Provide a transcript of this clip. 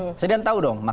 presiden tahu dong